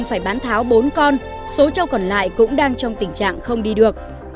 phải bán tháo bốn con số châu còn lại cũng đang trong tình trạng không đi được